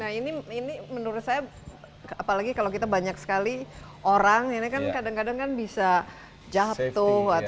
nah ini menurut saya apalagi kalau kita banyak sekali orang ini kan kadang kadang kan bisa jatuh